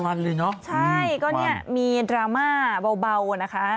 วันเลยเนอะใช่ก็เนี่ยมีดราม่าเบาอ่ะนะคะ